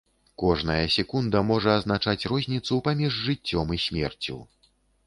Кожная секунда можа азначаць розніцу паміж жыццём і смерцю.